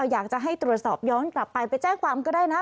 อยากจะให้ตรวจสอบย้อนกลับไปไปแจ้งความก็ได้นะ